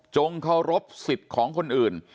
เคารพสิทธิ์ของคนอื่น